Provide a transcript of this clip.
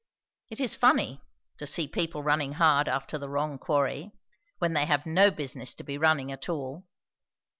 It is funny, to see people running hard after the wrong quarry; when they have no business to be running at all.